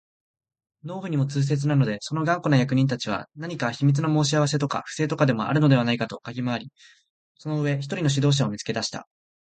農夫にも痛切なので、その頑固な役人たちは何か秘密の申し合せとか不正とかでもあるのではないかとかぎ廻り、その上、一人の指導者を見つけ出した